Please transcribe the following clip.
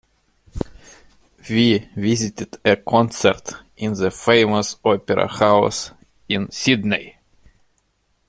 We visited a concert in the famous opera house in Sydney.